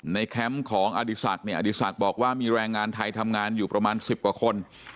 ในแคมป์ของอดิสักอดิสักบอกว่ามีแรงงานไทยทำงานอยู่ประมาณ๑๐กว่าคน